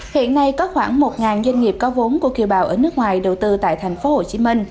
hiện nay có khoảng một doanh nghiệp có vốn của kiều bào ở nước ngoài đầu tư tại tp hcm